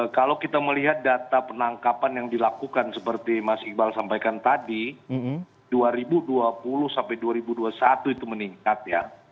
kalau kita melihat data penangkapan yang dilakukan seperti mas iqbal sampaikan tadi dua ribu dua puluh sampai dua ribu dua puluh satu itu meningkat ya